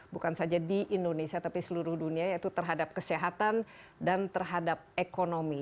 bukan saja di indonesia tapi seluruh dunia yaitu terhadap kesehatan dan terhadap ekonomi